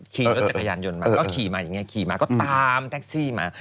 ขี่รถจักรยานยนต์มาก็ขี่มาอย่างนี้ขี่มาก็ตามแท็กซี่มา